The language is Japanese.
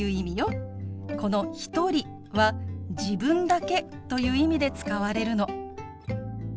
この「一人」は「自分だけ」という意味で使われるの。